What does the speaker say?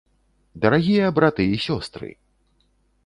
Дарагія браты і сёстры!